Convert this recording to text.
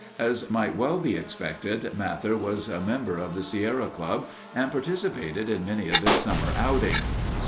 As might well be expected, Mather was a member of the Sierra Club and participated in many of its summer outings.